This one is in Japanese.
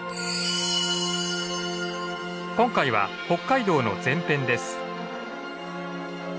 今回は北海道の前編です。